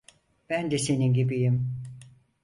Ben de senin gibiyim.